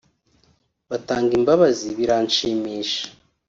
batanga imbabazi biranshimisha